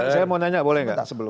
saya mau nanya boleh minta sebelum